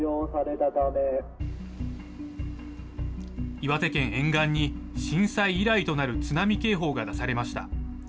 岩手県沿岸に、震災以来となる津波警報が出されました。